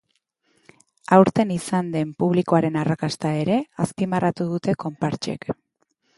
Aurten izan den publikoaren arrakasta ere azpimarratu dute konpartsek.